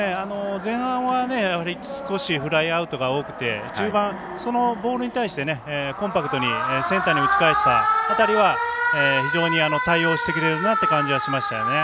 前半は少しフライアウトが多くて中盤、そのボールに対してコンパクトにセンターに打ち返した辺りは非常に対応してくれるなっていう感じがしましたよね。